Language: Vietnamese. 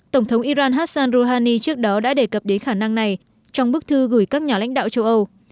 tổng thống iran hassan rouhani trước đó đã đề cập đến khả năng này trong bức thư gửi các nhà lãnh đạo châu âu